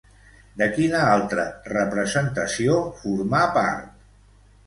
De quina altra representació formà part?